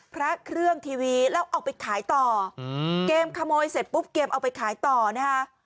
พระเครื่องทีวีแล้วเอาไปขายต่ออืมเกมขโมยเสร็จปุ๊บเกมเอาไปขายต่อนะคะ